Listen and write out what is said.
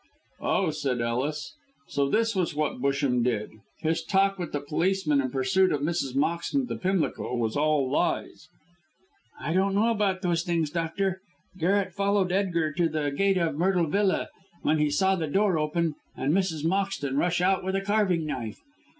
"Oh," said Ellis, "so this was what Busham did? His talk with the policeman and pursuit of Mrs. Moxton to Pimlico was all lies." "I don't know about those things, doctor. Garret followed Edgar to the gate of Myrtle Villa, when he saw the door open, and Mrs. Moxton rush out with a carving knife.